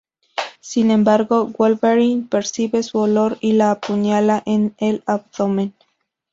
Sin embargo, Wolverine percibe su olor y la apuñala en el abdomen.